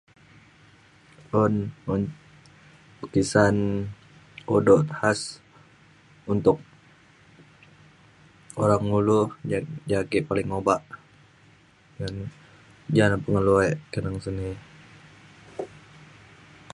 un un pekisan udok khas untuk Orang Ulu ja ja ake paling obak ja ja na pengeluk ek keneng seni